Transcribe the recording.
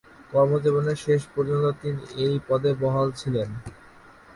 কর্মজীবনের শেষ পর্যন্ত তিনি এই পদে বহাল ছিলেন।